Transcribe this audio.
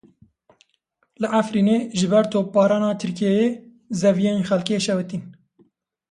Li Efrînê ji ber topbarana Tirkiyeyê zeviyên xelkê şewitîn.